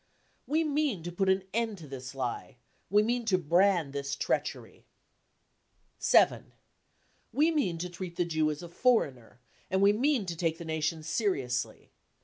We mean to put an end to this lie, we mean to brand this treachery. 7. We mean to treat the Jew as a foreigner, and we mean to take Hie nation seriously.